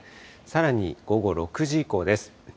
さらに午後６時以降です。